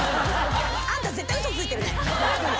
あんた絶対嘘ついてるね。